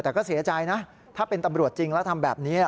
แต่ก็เสียใจนะถ้าเป็นตำรวจจริงแล้วทำแบบนี้